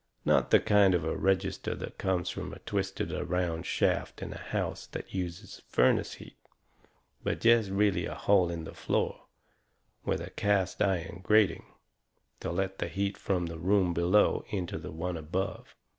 Not the kind of a register that comes from a twisted around shaft in a house that uses furnace heat. But jest really a hole in the floor, with a cast iron grating, to let the heat from the room below into the one above.